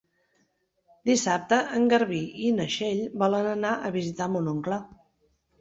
Dissabte en Garbí i na Txell volen anar a visitar mon oncle.